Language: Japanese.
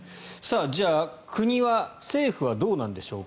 じゃあ、国は政府はどうなんでしょうか。